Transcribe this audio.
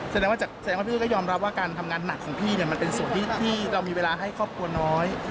แสดงว่าพี่ก็ยอมรับว่าการทำงานหนักของพี่มันเป็นส่วนที่พี่ก็มีเวลาให้ครอบครัวน้อย